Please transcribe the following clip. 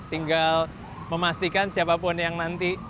tinggal memastikan siapapun yang nanti